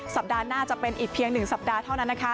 สัปดาห์หน้าจะเป็นอีกเพียง๑สัปดาห์เท่านั้นนะคะ